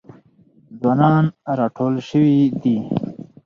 ځوانان راټول سوي دي.